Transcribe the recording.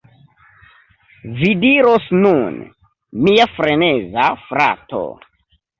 Vi diros nun: "Mia freneza frato!